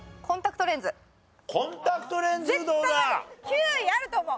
９位あると思う。